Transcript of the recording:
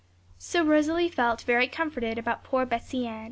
So Rosalie felt very comforted about poor Betsey Ann.